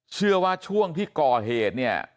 เชื่อว่าช่วงที่ก่อเหตุเนี่ย